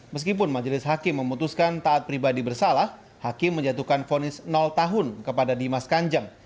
meskipun majelis hakim memutuskan taat pribadi bersalah hakim menjatuhkan fonis tahun kepada dimas kanjeng